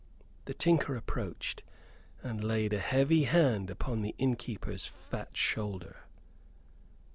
The tinker approached and laid a heavy hand upon the innkeeper's fat shoulder.